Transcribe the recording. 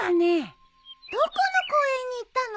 どこの公園に行ったの？